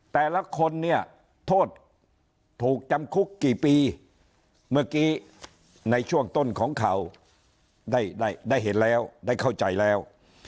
แต่ละคนเนี่ยโทษถูกจำคุกกี่ปีเมื่อกี้ในช่วงต้นของข่าวได้ได้เห็นแล้วได้เข้าใจแล้ว